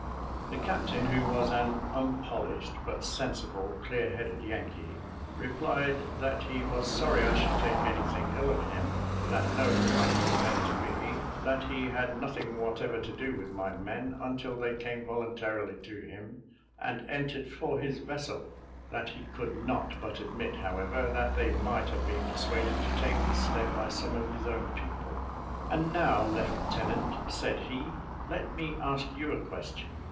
The captain, who was an unpolished, but sensible, clearheaded Yankee, replied that he was sorry I should take any thing ill of him; that no affront was meant to me; that he had nothing whatever to do with my men, until they came voluntarily to him, and entered for his vessel; that he could not but admit, however, that they might have been persuaded to take this step by some of his own people. "And, now, Leftenant," said he, "let me ask you a question.